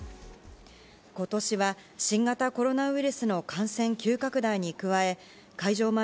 今年は新型コロナウイルスの感染急拡大に加え会場